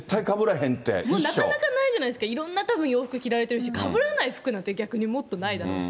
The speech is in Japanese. なかなかないじゃないですか、いろんなたぶん、洋服着られてるし、かぶらない服なんて逆にもっとないだろうし。